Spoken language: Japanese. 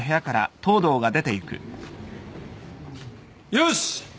よし！